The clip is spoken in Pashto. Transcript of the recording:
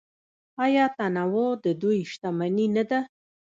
آیا تنوع د دوی شتمني نه ده؟